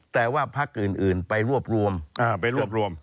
แต่ว่าพักอื่นไปรวบรวม